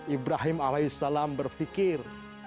ibrahim alaih salam berpikir